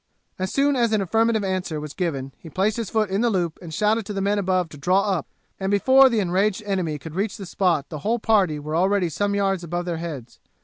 As soon as an affirmative answer was given he placed his foot in the loop and shouted to the men above to draw up, and before the enraged enemy could reach the spot the whole party were already some yards above their heads.